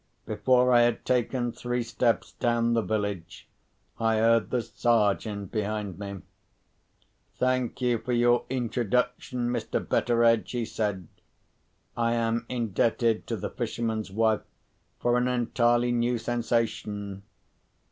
Before I had taken three steps down the village, I heard the Sergeant behind me. "Thank you for your introduction, Mr. Betteredge," he said. "I am indebted to the fisherman's wife for an entirely new sensation.